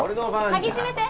鍵しめて！